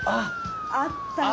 あったね。